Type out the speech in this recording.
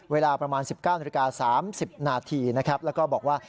เวลาประมาณ๑๙๓๐นาทีแล้วก็บอกว่า